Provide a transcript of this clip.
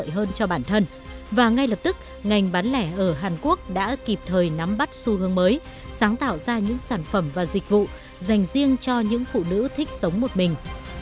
hàn quốc đã kịp thời nắm bắt xu hướng mới sáng tạo ra những sản phẩm và dịch vụ dành riêng cho những phụ nữ thích sống một mình